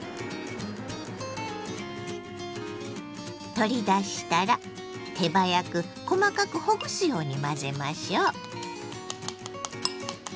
取り出したら手早く細かくほぐすように混ぜましょう。